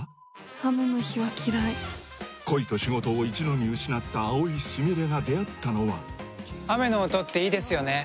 雨の日は嫌い恋と仕事を一度に失った蒼井スミレが出会ったのは雨の音っていいですよね